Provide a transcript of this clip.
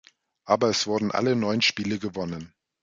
Aber es wurden alle neun Spiele gewonnen.